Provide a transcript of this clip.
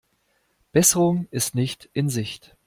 Besserung ist nicht in Sicht.